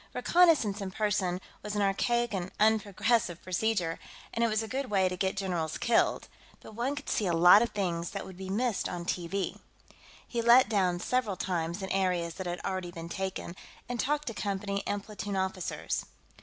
Reconnaissance in person was an archaic and unprogressive procedure, and it was a good way to get generals killed, but one could see a lot of things that would be missed on TV. He let down several times in areas that had already been taken, and talked to company and platoon officers.